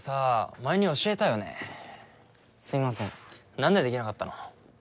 何でできなかったの？